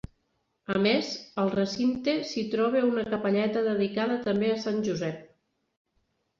A més, al recinte s'hi troba una capelleta dedicada també a Sant Josep.